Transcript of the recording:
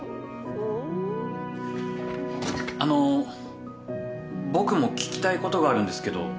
あの僕も聞きたいことがあるんですけど。